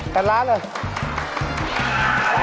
แปดร้านเลย